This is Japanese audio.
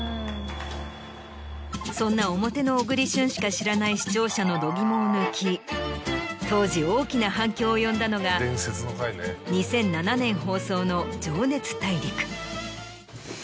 そんな表の小栗旬しか知らない視聴者の度肝を抜き当時大きな反響を呼んだのが２００７年放送の『情熱大陸』。